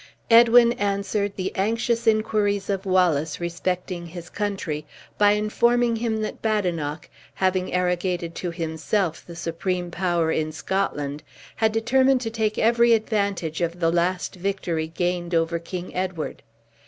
Edwin answered the anxious inquiries of Wallace respecting his country, by informing him that Badenoch, having arrogated to himself the supreme power in Scotland, had determined to take every advantage of the last victory gained over King Edward.